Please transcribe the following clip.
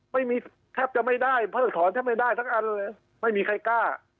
ไม่มีแทบจะไม่ได้เพิ่มถอนจะไม่ได้สักอันเลยไม่มีใครกล้า